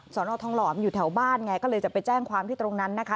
นอทองหลอมอยู่แถวบ้านไงก็เลยจะไปแจ้งความที่ตรงนั้นนะคะ